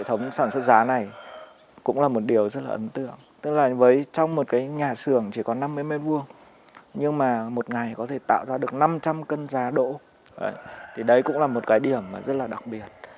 tức là trong một cái nhà xưởng chỉ có năm mươi m hai nhưng mà một ngày có thể tạo ra được năm trăm linh kg giá đỗ thì đấy cũng là một cái điểm rất là đặc biệt